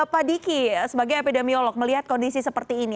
pak diki sebagai epidemiolog melihat kondisi seperti ini